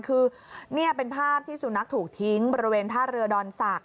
คือนี่เป็นภาพที่สุนัขถูกทิ้งบริเวณท่าเรือดอนศักดิ